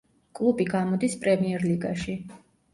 კლუბი გამოდის პრემიერლიგაში.